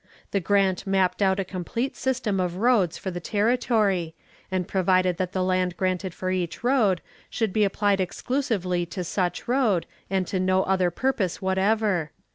The grant mapped out a complete system of roads for the territory, and provided that the land granted for each road should be applied exclusively to such road, and no other purpose whatever.